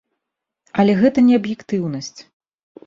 Але гэта не аб'ектыўнасць.